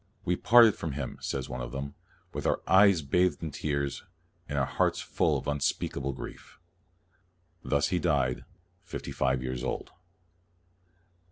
" We parted from him," says one of them, " with our eyes bathed in tears, and our hearts full of unspeak able grief." Thus he died, fifty five years old.